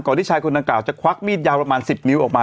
ที่ชายคนดังกล่าวจะควักมีดยาวประมาณ๑๐นิ้วออกมา